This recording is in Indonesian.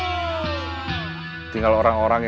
sebelumnya tidak ada yang bisa diberi